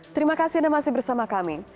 terima kasih anda masih bersama kami